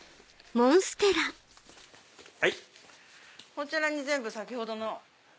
こちらに全部先ほどの。